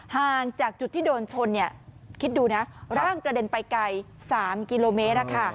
ห่างจากจุดที่โดนชนคิดดูนะร่างกระเด็นไปไกล๓กิโลเมตร